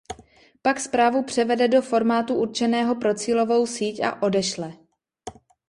Pak zprávu převede do formátu určeného pro cílovou síť a odešle.